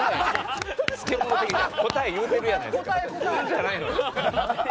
答え言うてるやないですか。